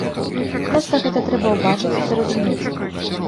Проста гэта трэба ўбачыць і зразумець.